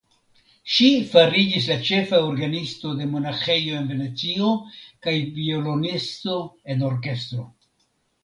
Ŝi fariĝis la ĉefa orgenisto de Monaĥejo en Venecio kaj violonisto en orkestro.